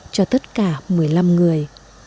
cho tất cả một mươi năm người